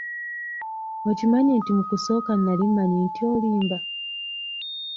Okimanyi nti mu kusooka nali mmanyi nti olimba?